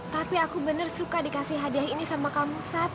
tapi aku bener suka dikasih hadiah ini sama kamu sat